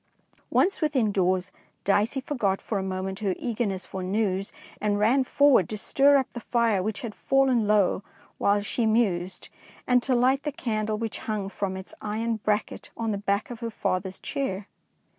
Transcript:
Once within doors Dicey forgot for a moment her eagerness for news, and ran forward to stir up the fire which had fallen low while she mused, and to light the candle which hung from its iron 226 DICEY LANGSTON bracket on the back of her father's chair.